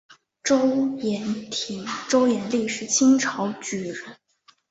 周廷励是清朝举人。